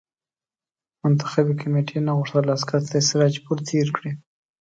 منتخبي کمېټې نه غوښتل عسکر تر سراج پور تېر کړي.